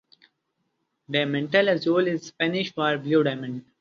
Diamante Azul is Spanish for "Blue Diamond".